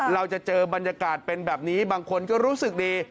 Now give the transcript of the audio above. เราจะเจอบรรยากาศเป็นแบบนี้บางคนก็รู้สึกดี